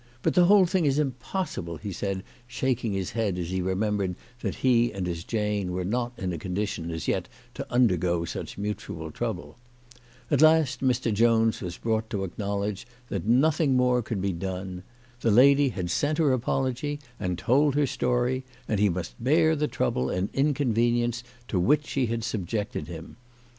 But the whole thing is impossible," he said, shaking his head as he remem bered that he and his Jane were not in a condition as yet to undergo any such mutual trouble. At last Mr. Jones was brought to acknowledge that nothing more could be done. The lady had sent her apology, and told her story, and he must bear the trouble and in convenience to which she had subjected him.